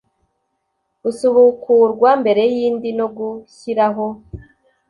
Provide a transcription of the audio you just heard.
gusubukurwa mbere y indi no gushyiraho